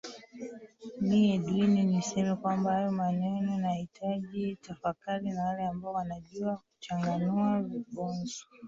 mi edwin niseme kwamba hayo maneno nahitaji tafakari na wale ambao wanajua kuchanganua vibonzo